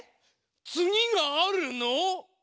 つぎがあるの？